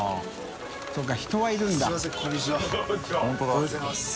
おはようございます。